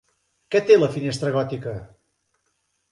Què té la finestra gòtica?